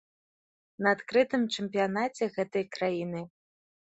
На адкрытым чэмпіянаце гэтай краіны.